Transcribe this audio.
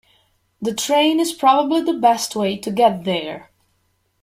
The train is probably the best way to get there.